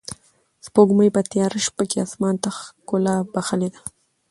سپوږمۍ په تیاره شپه کې اسمان ته ښکلا بښلې ده.